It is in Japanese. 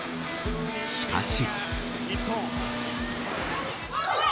しかし。